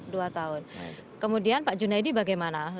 dua tahun kemudian pak junaidi bagaimana